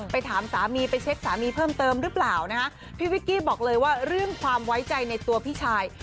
ถามสามีไปเช็คสามีเพิ่มเติมหรือเปล่านะฮะพี่วิกกี้บอกเลยว่าเรื่องความไว้ใจในตัวพี่ชาย